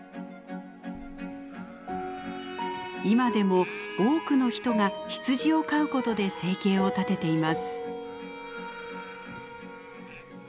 今でも多くの人が羊を飼うことで生計を立てています。